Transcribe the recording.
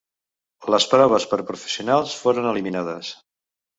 Les proves per professionals foren eliminades.